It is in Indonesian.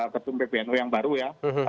ketum pbnu yang baru ya